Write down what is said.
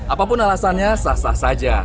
apapun alasannya sah sah saja